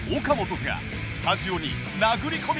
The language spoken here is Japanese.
’Ｓ がスタジオに殴り込み！